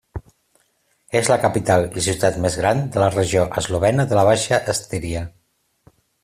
És la capital i ciutat més gran de la regió eslovena de la Baixa Estíria.